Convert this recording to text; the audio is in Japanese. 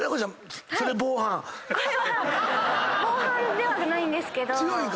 これは防犯ではないんですけど。